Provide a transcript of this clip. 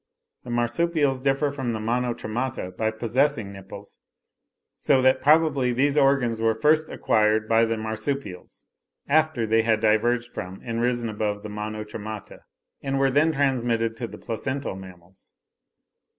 The Marsupials differ from the Monotremata by possessing nipples; so that probably these organs were first acquired by the Marsupials, after they had diverged from, and risen above, the Monotremata, and were then transmitted to the placental mammals.